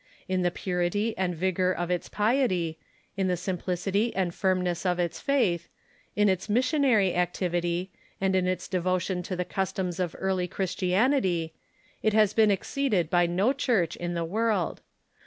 In the purity and vigor of its piet}'', in the simplicity and firmness of its faith, in its missionary activity, and in its devotion to the customs of early Christianity, it has been exceeded by no Church in the Avorld.